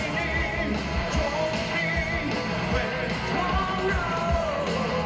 นี่ให้เป็นตำนานฝากไว้อย่างเท่าไหร่